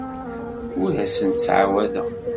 Ur asen-ttɛawadeɣ.